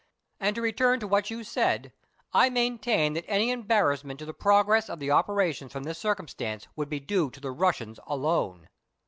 " And to return to what you said, I maintain that any embarrassment to the progress of the operations from this circumstance would be due to the Russians alone."